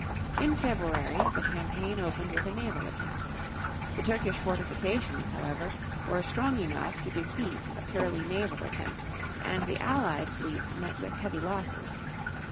In February the campaign opened with a naval attack. The Turkish fortifications, however, were strong enough to defeat a purely naval attempt and the Allied fleets met with heavy losses.